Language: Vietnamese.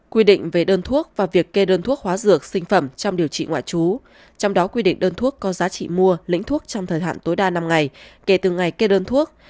quy định về đơn thuốc và việc kê đơn thuốc hóa dược sinh phẩm trong điều trị ngoại trú trong đó quy định đơn thuốc có giá trị mua lĩnh thuốc trong thời hạn tối đa năm ngày kể từ ngày kê đơn thuốc